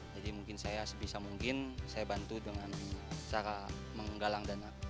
jadi mungkin saya sebisa mungkin saya bantu dengan cara menggalang dana